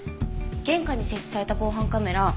玄関に設置された防犯カメラ